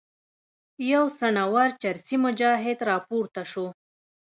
یو څڼور چرسي مجاهد راپورته شو.